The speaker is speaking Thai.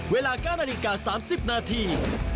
เวลาก้านอาหรี่กา๓๐นาที